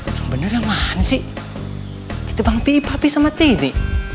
yang beneran mana sih itu bang pi papi sama tini